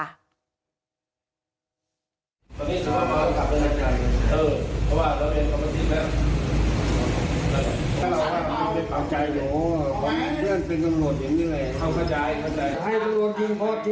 อันดีไง